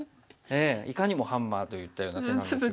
いかにもハンマーといったような手なんですが。